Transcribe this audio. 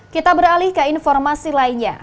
kita beralih ke informasi lainnya